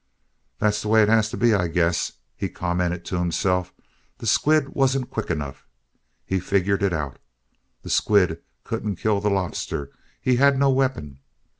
"That's the way it has to be, I guess," he commented to himself. "That squid wasn't quick enough." He figured it out. "The squid couldn't kill the lobster—he had no weapon.